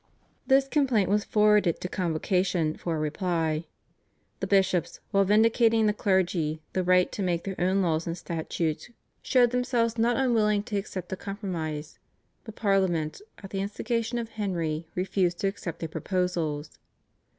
This complaint was forwarded to Convocation for a reply. The bishops, while vindicating for the clergy the right to make their own laws and statutes, showed themselves not unwilling to accept a compromise, but Parliament at the instigation of Henry refused to accept their proposals.